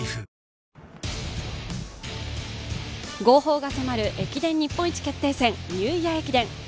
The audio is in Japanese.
号砲が迫る駅伝日本一決定戦ニューイヤー駅伝。